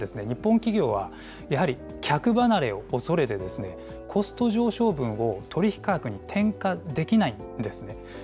日本企業はやはり、客離れを恐れて、コスト上昇分を取り引き価格に転嫁できないんですね。